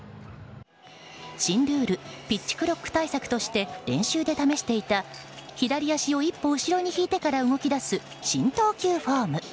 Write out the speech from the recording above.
新ルールピッチクロック対策として練習で試していた、左足を１歩後ろに引いてから動き出す新投球フォーム。